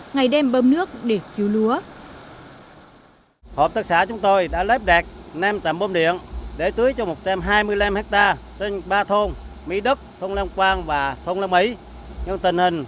ngày đêm bơm nước để cứu lùi